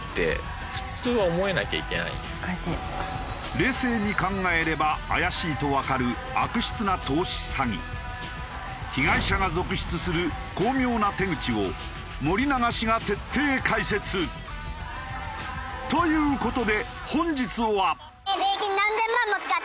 冷静に考えれば怪しいとわかる被害者が続出する巧妙な手口を森永氏が徹底解説。という事で本日は。